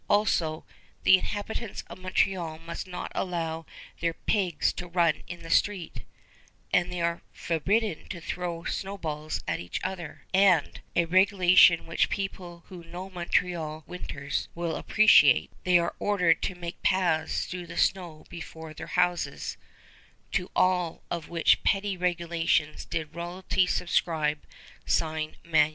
Also "the inhabitants of Montreal must not allow their pigs to run in the street," and they "are forbidden to throw snowballs at each other," and a regulation which people who know Montreal winters will appreciate "they are ordered to make paths through the snow before their houses," to all of which petty regulations did royalty subscribe sign manual.